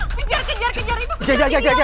kejar kejar kejar itu kejar kejar